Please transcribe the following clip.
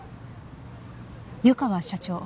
湯川社長？